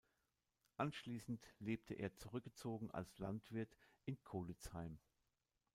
Anschließend lebte er zurückgezogen als Landwirt in Kolitzheim.